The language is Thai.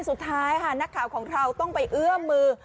สุดท้ายค่ะนักข่าวของเราต้องไปเอื้อมมือ